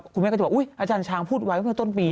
คุณแม่ก็จะบอกอุ๊ยอาจารย์ช้างพูดไว้เมื่อต้นปี